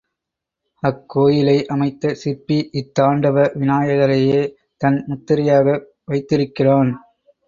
அக்கோயிலை அமைத்த சிற்பி இத்தாண்டவ விநாயகரையே தன் முத்திரையாக வைத்திருக்கிறான்.